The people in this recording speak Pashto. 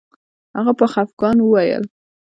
هغه په خفګان وویل